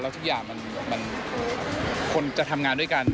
แล้วทุกอย่างมันคนจะทำงานด้วยกัน